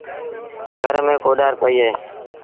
گھر ميݩ ڪوڏآر پئيٚ اهي۔